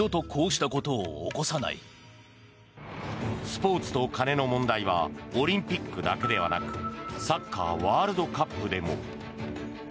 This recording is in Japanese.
スポーツとカネの問題はオリンピックだけではなくサッカーワールドカップでも。